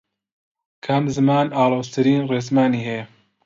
کام زمان ئاڵۆزترین ڕێزمانی هەیە؟